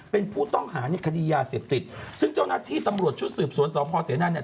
เป็นผู้ต้องหาในคดียาเสพติดซึ่งเจ้าหน้าที่ตำรวจชุดสืบสวนสพเสนาเนี่ย